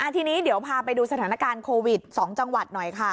ทีนี้เดี๋ยวพาไปดูสถานการณ์โควิด๒จังหวัดหน่อยค่ะ